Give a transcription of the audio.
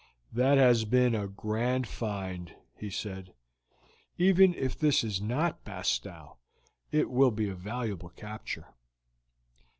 "That has been a grand find," he said; "even if this is not Bastow, it will be a valuable capture."